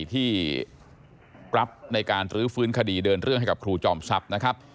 ที่รับในการรื้อฟื้นคดีเดินเรื่องให้กับครูจอมทรัพย์นะครับ